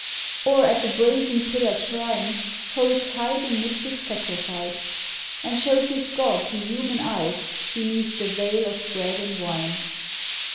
Or at the brazen pillared shrine Holds high the mystic sacrifice, And shows his God to human eyes Beneath the veil of bread and wine.